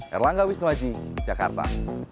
erlangga wisnuwaji jakarta